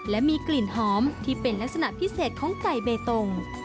และมีกลิ่นหอมที่เป็นลักษณะพิเศษของไก่เบตง